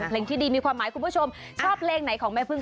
เพลงที่ดีมีความหมายคุณผู้ชมชอบเพลงไหนของแม่พึ่ง